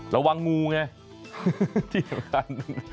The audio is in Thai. ระวังงูไงที่สำคัญ